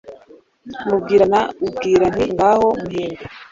mubwirana ubwira nti ngaho muhembe